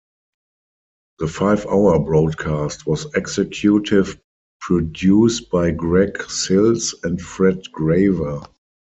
The five-hour broadcast was executive produced by Greg Sills and Fred Graver.